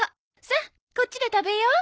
さあこっちで食べよう。